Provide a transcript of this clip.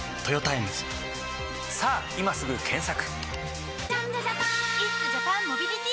さぁ今すぐ検索！